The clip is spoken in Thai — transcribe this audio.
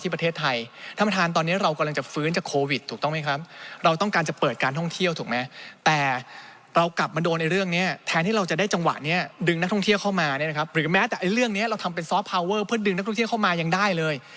โปรดออกจาก๔นะแปลว่ายังอยู่ใน๑